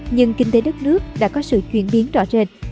nhưng kinh tế đất nước đã có sự chuyển biến rõ rệt